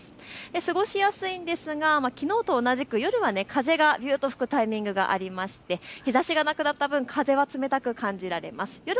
過ごしやすいんですがきのうと同じく夜は風が強く吹くタイミングがありまして日ざしがなくなった分、風は冷たく感じられます。